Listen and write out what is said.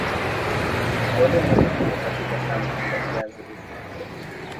mbolea ni muhimu katika shamba la viazi lishe